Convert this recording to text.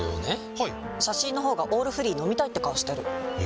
はい写真の方が「オールフリー」飲みたいって顔してるえ？